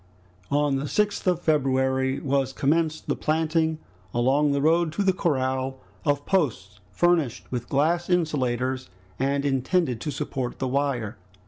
On the 6th of February was commenced the planting along the road to the corral, of posts furnished with glass insulators, and intended to support the wire.